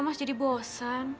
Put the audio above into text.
mas jadi bosan